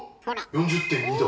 ４０．２℃。